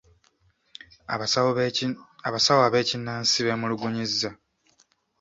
Abasawo ab’ekinnansi beemulugunyizza.